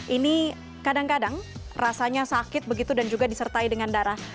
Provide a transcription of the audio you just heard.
ini kadang kadang rasanya sakit begitu dan juga disertai dengan darah